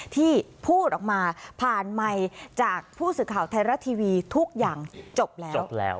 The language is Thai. ที่พูดออกมาผ่านไมค์จากผู้สื่อข่าวไทยรัฐทีวีทุกอย่างจบแล้ว